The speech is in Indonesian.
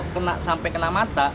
kalau sampai kena mata